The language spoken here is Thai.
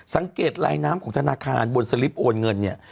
สังเกตลายน้ำของธนาคารบนสลิปโอนเงินนี่